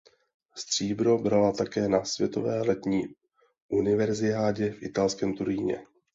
Stříbro brala také na světové letní univerziádě v italském Turíně.